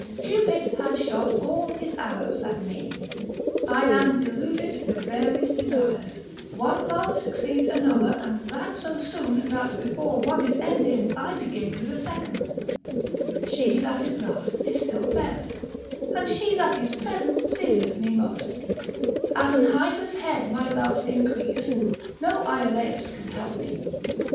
Cupid had shot all his arrows at me, I am deluded with various desires, one love succeeds another, and that so soon, that before one is ended, I begin with a second; she that is last is still fairest, and she that is present pleaseth me most: as an hydra's head my loves increase, no Iolaus can help me.